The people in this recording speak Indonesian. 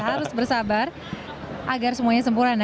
harus bersabar agar semuanya sempurna